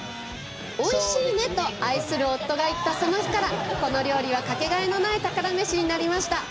「おいしいね」と愛する夫が言ったその日から、この料理はかけがえのない宝メシになりました。